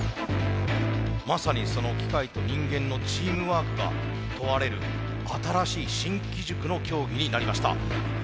まさにその機械と人間のチームワークが問われる新しい新機軸の競技になりました。